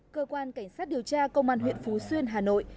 cơ quan cảnh sát điều tra công an huyện phú xuyên hà nội